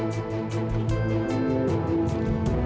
kamu pegang janji aku aja